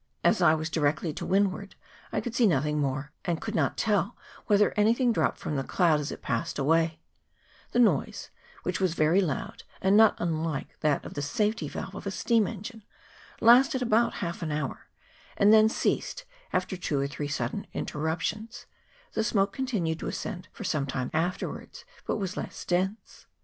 As I was directly to windward, I could see nothing more, and could not tell whether anything dropped from the cloud as it passed away : the noise, which was very loud, and not unlike that of the safety valve of a steam engine, lasted about half an hour, and then ceased after two or three sudden interruptions ; the smoke continued to ascend for some time afterwards, but was less dense.